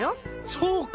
そうか！